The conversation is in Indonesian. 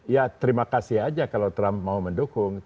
ya terima kasih aja kalau trump mau mendukung